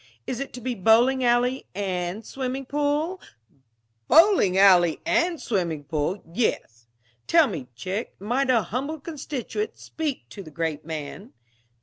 Is it to be bowling alley and swimming pool " "Bowling alley and swimming pool, yes. Tell me, chick, might a humble constituent speak to the great man?"